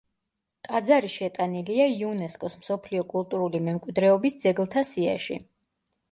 ტაძარი შეტანილია იუნესკოს მსოფლიო კულტურული მემკვიდრეობის ძეგლთა სიაში.